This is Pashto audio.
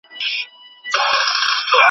د ناحقو مالونو څخه ځان وساتئ.